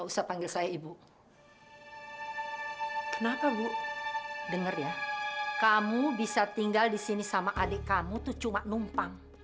sampai jumpa di video selanjutnya